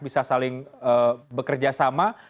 bisa saling bekerja sama